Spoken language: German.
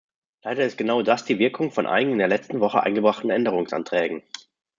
Leider ist genau das die Wirkung von einigen in der letzten Woche eingebrachten Änderungsanträgen.